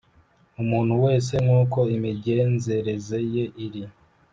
umuntu wese nk’uko imigenzereze ye iri